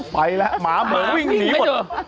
ไปแล้วหมาเหมืองวิ่งหนีหมด